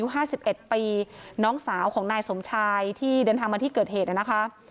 ห้าสิบเอ็ดปีน้องสาวของนายสมชายที่เดินทางมาที่เกิดเหตุนะคะ